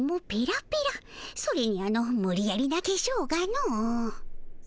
それにあのむりやりなけしょうがの。